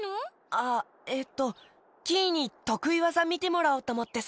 あえっとキイにとくいわざみてもらおうとおもってさ。